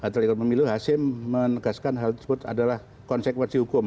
terikut pemilu hasim menegaskan hal tersebut adalah konsekuensi hukum